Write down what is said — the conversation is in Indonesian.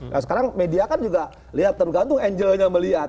nah sekarang media kan juga lihat tergantung angelnya melihat